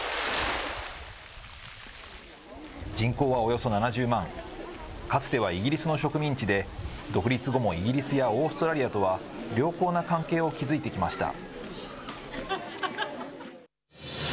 人口はおよそ７０万、かつてはイギリスの植民地で、独立後もイギリスやオーストラリアとは良好な関係を築いてきました。